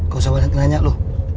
gak usah banyak nanya loh